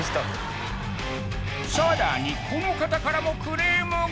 さらにこの方からもクレームが